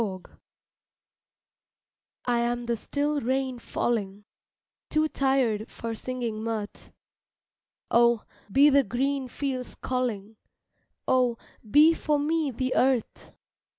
MOODS I AM the still rain falling, Too tired for singing mirth Oh, be the green fields calling, Oh, be for me the earth!